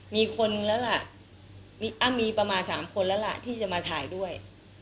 มีคนแล้วล่ะมีประมาณ๓คนแล้วล่ะที่จะมาถ่ายด้วย